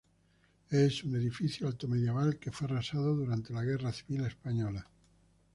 Es un edificio altomedieval, que fue arrasado durante la Guerra Civil Española.